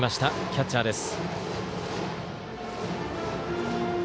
キャッチャーです。